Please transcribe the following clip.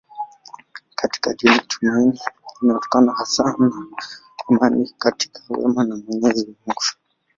Katika dini tumaini linatokana hasa na imani katika wema wa Mwenyezi Mungu.